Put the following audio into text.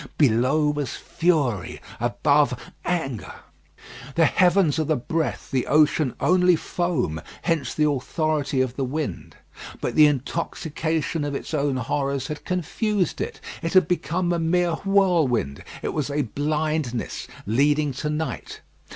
Below was fury above, anger. The heavens are the breath, the ocean only foam, hence the authority of the wind. But the intoxication of its own horrors had confused it. It had become a mere whirlwind; it was a blindness leading to night.